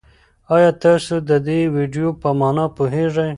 ایا تاسي د دې ویډیو په مانا پوهېږئ؟